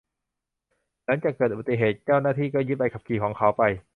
หลังจากเกิดอุบัติเหตุ เจ้าหน้าที่ก็ยึดใบขับขี่ของเขาไป